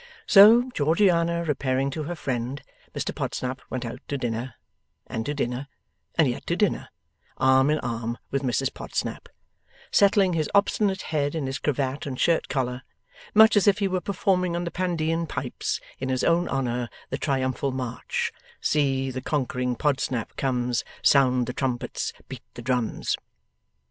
So, Georgiana repairing to her friend, Mr Podsnap went out to dinner, and to dinner, and yet to dinner, arm in arm with Mrs Podsnap: settling his obstinate head in his cravat and shirt collar, much as if he were performing on the Pandean pipes, in his own honour, the triumphal march, See the conquering Podsnap comes, Sound the trumpets, beat the drums!